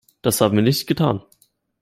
Das haben wir nicht getan.